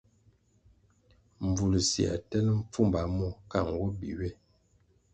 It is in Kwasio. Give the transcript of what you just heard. Mbvul siē tel mpfumba mwo ka nwo bi ywe.